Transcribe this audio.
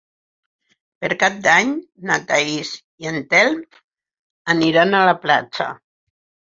Per Cap d'Any na Thaís i en Telm iran a la platja.